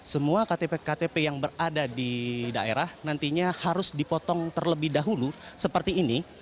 semua ktp ktp yang berada di daerah nantinya harus dipotong terlebih dahulu seperti ini